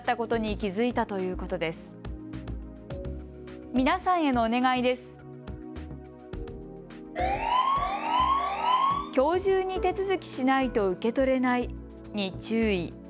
きょう中に手続きしないと受け取れないに注意。